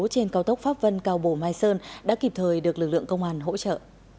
trên cao tốc pháp vân cao bồ mai sơn đã kịp thời được lực lượng công an hỗ trợ